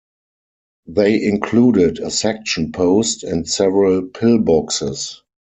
They included a section post and several pillboxes.